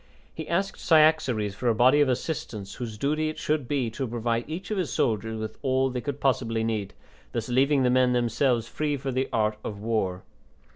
He asked Cyaxares for a body of assistants whose duty it should be to provide each of his soldiers with all they could possibly need, thus leaving the men themselves free for the art of war.